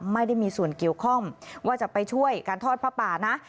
ไม่ได้มีส่วนเกี่ยวข้องว่าจะไปช่วยการทอดผ้าป่านะ